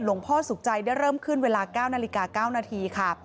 หลวงพ่อสุขใจได้เริ่มขึ้นเวลา๙นาฬิกา๙นาทีค่ะ